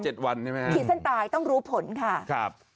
ผิดสั้นตายต้องรู้ผลค่ะ